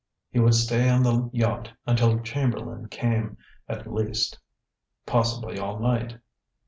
He would stay on the yacht until Chamberlain came, at least; possibly all night.